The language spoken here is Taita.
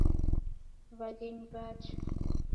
Waghenyi wacha.